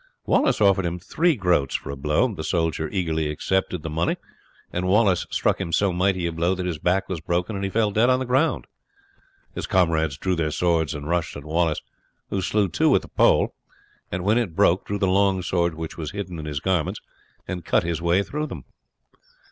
Wallace offered him three groats for a blow. The soldier eagerly accepted the money, and Wallace struck him so mighty a blow that his back was broken and he fell dead on the ground. His comrades drew their swords and rushed at Wallace, who slew two with the pole, and when it broke drew the long sword which was hidden in his garments, and cut his way through them.